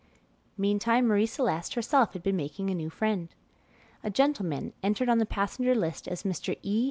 Meantime, Marie Celeste herself had been making a new friend. A gentleman, entered on the passenger list as Mr. E.